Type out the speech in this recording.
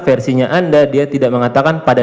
versinya anda dia tidak mengatakan pada